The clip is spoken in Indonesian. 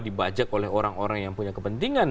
dibajak oleh orang orang yang punya kepentingan